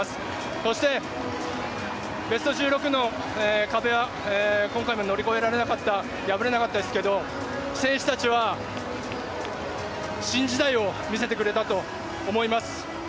そして、ベスト１６の壁は今回も乗り越えられなかった、破れなかったですけど、選手たちは新時代を見せてくれたと思います。